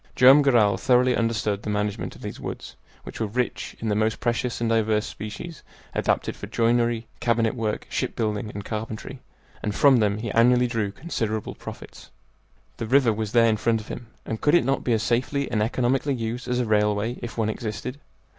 Joam Garral thoroughly understood the management of these woods, which were rich in the most precious and diverse species adapted for joinery, cabinet work, ship building, and carpentry, and from them he annually drew considerable profits. The river was there in front of him, and could it not be as safely and economically used as a railway if one existed?